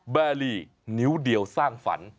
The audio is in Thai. แบรี่นิ้วเดียวสร้างฝัน